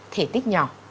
thể tích nhỏ